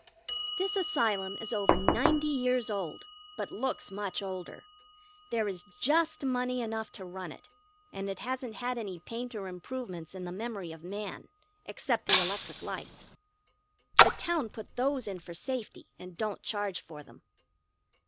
This Asylum is over ninety (90) years old, but looks much older. There is just money enough to run it, and it hasn't had any paint or improvements in the memory of man, except the electric lights. The town put those in for safety, and don't charge for them.